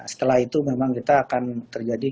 setelah itu memang kita akan terjadi